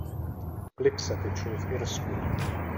Klip se točil v Irsku.